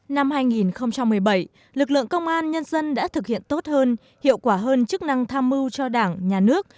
năm hai nghìn một mươi bảy lực lượng công an nhân dân đã thực hiện tốt hơn hiệu quả hơn chức năng tham mưu cho đảng nhà nước